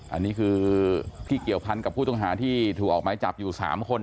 อันนี้คือที่เกี่ยวพันกับผู้ต้องหาที่ถูกออกไม้จับอยู่๓คน